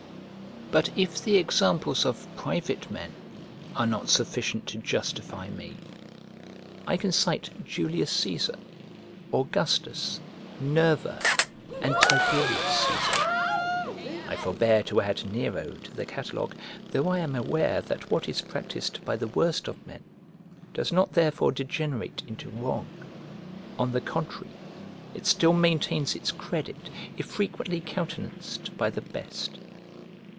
But if the examples of private men are not sufficient to justify me, I can cite Julius Casar, Augustus, Nerva, and Tiberius Casar. I forbear to add Nero to the catalogue, though I am aware that what is practised by the worst of men does not therefore degenerate into wrong: on the contrary, it still maintains its credit, if frequently countenanced by the best.